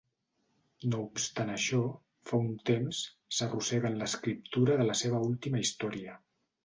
No obstant això, fa un temps, s'arrossega en l'escriptura de la seva última història.